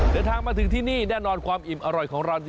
เดินทางมาถึงที่นี่แน่นอนความอิ่มอร่อยของเรา